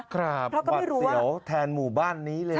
เขาก็ไม่รู้ว่าบัตเตี๋ยวแทนหมู่บ้านนี้เลย